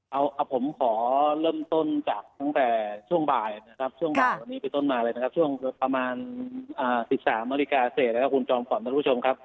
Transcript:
เอาผมขอเริ่มต้นจากตั้งแต่ช่วงบ่ายนะครับช่วงบ่ายวันนี้ไปต้นมาเลยนะครับช่วงประมาณ๑๓นาฬิกาเสร็จนะครับคุณจอมขวัญท่านผู้ชมครับ